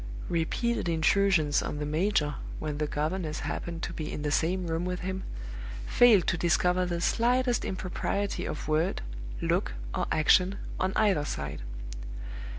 Repeated intrusions on the major, when the governess happened to be in the same room with him, failed to discover the slightest impropriety of word, look, or action, on either side.